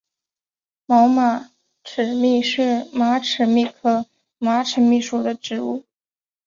毛马齿苋是马齿苋科马齿苋属的植物。